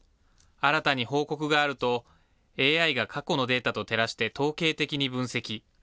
新たに報告があると、ＡＩが過去のデータと照らして統計的に分析。